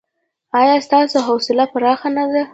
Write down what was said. ایا ستاسو حوصله پراخه نه ده؟